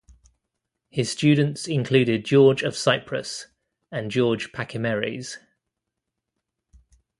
His students included George of Cyprus and George Pachymeres.